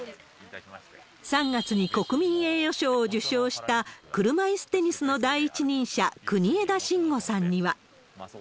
３月に国民栄誉賞を受賞した車いすテニスの第一人者、国枝慎吾さんには。